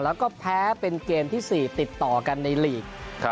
แล้วก็แพ้เป็นเกมที่๔ติดต่อกันในลีก